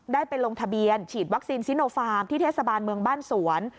ได้ไปลงทะเบียนฉีดวัคซีนที่เทศบาลเมืองบ้านสวน